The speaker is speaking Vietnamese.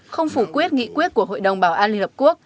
không phủ quyết nghị quyết của hội đồng bảo an liên hợp quốc